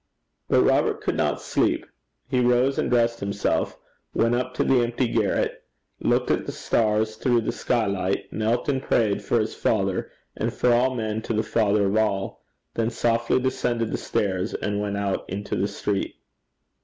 But Robert could not sleep. He rose and dressed himself, went up to the empty garret, looked at the stars through the skylight, knelt and prayed for his father and for all men to the Father of all, then softly descended the stairs, and went out into the street.